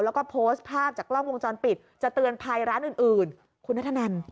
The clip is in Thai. แล้วก็โพสต์ภาพจากกล้องวงจรปิดจะเตือนภัยร้านอื่นคุณนัทธนัน